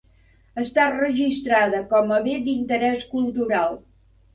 Està registrada com a Bé d'Interès Cultural.